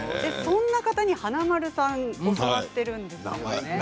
そんな方に華丸さん教わっているんですよね。